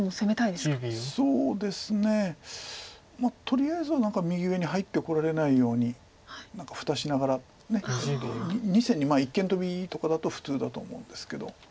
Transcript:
とりあえずは何か右上に入ってこられないように蓋しながら２線に一間トビとかだと普通だと思うんですけど。